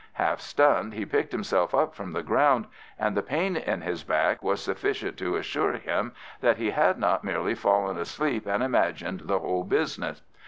Half stunned, he picked himself up from the ground, and the pain in his back was sufficient to assure him that he had not merely fallen asleep and imagined the whole business.